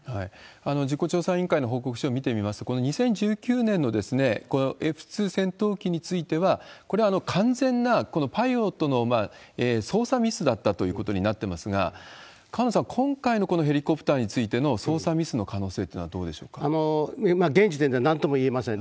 事故調査委員会の報告書見てみますと、この２０１９年のこのＦ２戦闘機については、これは完全なパイロットの操作ミスだったということになってますが、河野さん、今回のこのヘリコプターについての操作ミスの可能性っていうのは現時点ではなんとも言えません。